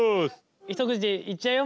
一口でいっちゃうよ